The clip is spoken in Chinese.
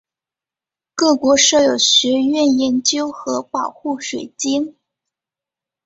各国设有学院研究和保护水晶。